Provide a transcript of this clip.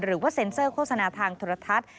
หรือว่าเซ็นเซอร์โฆษณาทางโทรทัศน์